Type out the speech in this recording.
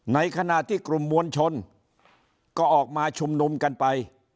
ในขณะที่กลุ่มมวลชนก็ออกมาชุมนุมกันไป